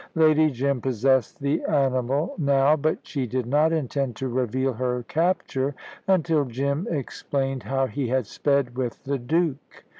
Lady Jim possessed the animal now, but she did not intend to reveal her capture until Jim explained how he had sped with the Duke.